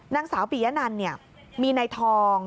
นางสาวปียะนันมีนายทอง